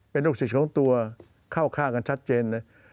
เป็นลูกศิษย์ของตัวเข้าข้างกันชัดเจนเลย